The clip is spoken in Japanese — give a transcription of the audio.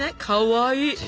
かわいい！